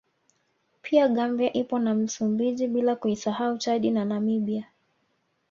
Pia Gambia ipo na Msumbiji bila kuisahau Chadi na Namibia